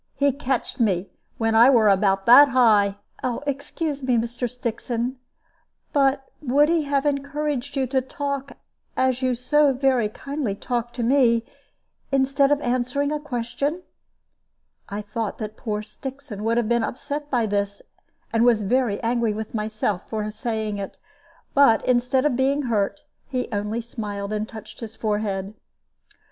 He catched me when I were about that high " "Excuse me, Mr. Stixon; but would he have encouraged you to talk as you so very kindly talk to me, instead of answering a question?" I thought that poor Stixon would have been upset by this, and was angry with myself for saying it; but instead of being hurt, he only smiled and touched his forehead.